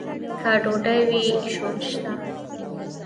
که ډوډۍ وي، ژوند شته.